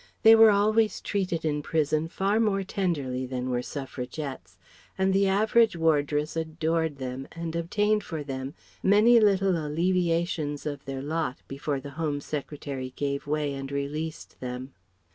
(They were always treated in prison far more tenderly than were Suffragettes, and the average wardress adored them and obtained for them many little alleviations of their lot before the Home Secretary gave way and released them.)